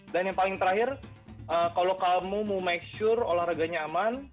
dan yang paling terakhir kalau kamu mau make sure olahraganya aman